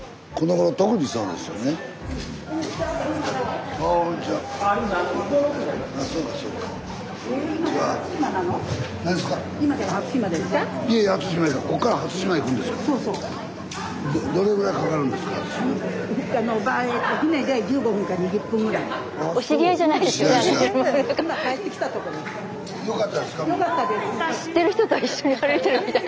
スタジオ知ってる人と一緒に歩いてるみたい。